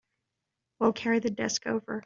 We'll carry the desk over.